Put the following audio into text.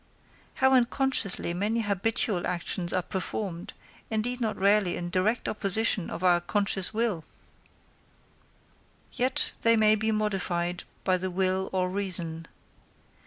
How unconsciously many habitual actions are performed, indeed not rarely in direct opposition to our conscious will! yet they may be modified by the will or reason.